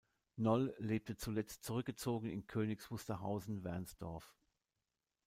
Noll lebte zuletzt zurückgezogen in Königs Wusterhausen-Wernsdorf.